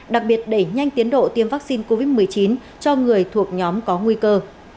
đặc biệt đẩy nhanh tiến độ tiêm vaccine covid một mươi chín cho người thuộc nhóm có nguy cơ